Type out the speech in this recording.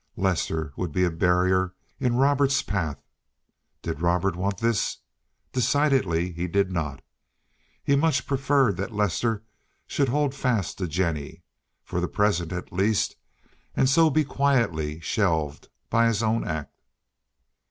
Lester would be a barrier in Robert's path. Did Robert want this? Decidedly he did not. He much preferred that Lester should hold fast to Jennie, for the present at least, and so be quietly shelved by his own act.